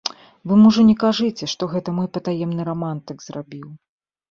Вы мужу не кажыце, што гэта мой патаемны рамантык зрабіў.